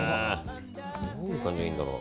どういう感じがいいんだろう。